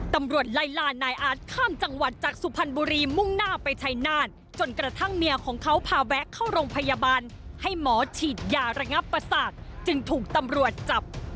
ตำรวจไล่ลานายอาร์ตข้ามจังหวัดจากสุพรรณบุรีมุ่งหน้าไปชัยนาศจนกระทั่งเมียของเขาพาแวะเข้าโรงพยาบาลให้หมอฉีดยาระงับประสาทจึงถูกตำรวจจับ